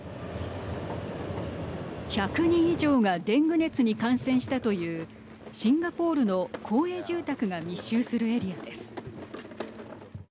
１００人以上がデング熱に感染したというシンガポールの公営住宅が密集するエリアです。